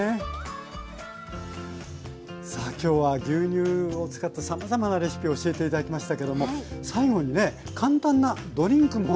今日は牛乳を使ってさまざまなレシピを教えて頂きましたけども最後にね簡単なドリンクも教えて頂けるとか。